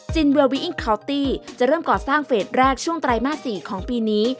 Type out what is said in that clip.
เวอร์วิอิงคาวตี้จะเริ่มก่อสร้างเฟสแรกช่วงไตรมาส๔ของปีนี้